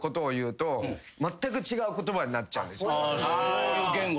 そういう言語。